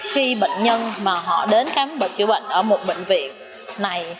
khi bệnh nhân mà họ đến khám bệnh chữa bệnh ở một bệnh viện này